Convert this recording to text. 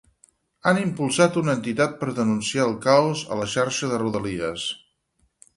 Han impulsat una entitat per denunciar el caos a la xarxa de Rodalies.